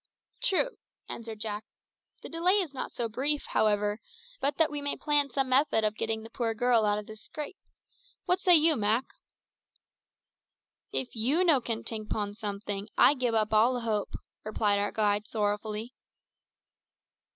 "True," answered Jack. "The delay is not so brief, however, but that we may plan some method of getting the poor girl out of this scrape. What say you, Mak?" "If you no can tink 'pon someting, I gib up all hope," replied our guide sorrowfully.